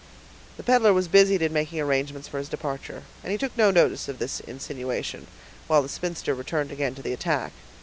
The peddler was busied in making arrangements for his departure, and he took no notice of this insinuation, while the spinster returned again to the attack.